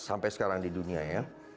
sampai sekarang di dunia ya